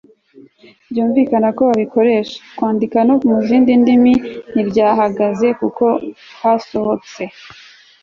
byumvikana ku babikoresha. kwandika no mu zindi ndimi ntibyahagaze kuko hasohotse